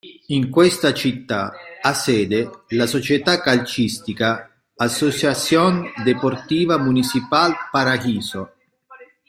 In questa città ha sede la società calcistica Asociación Deportiva Municipal Paraíso.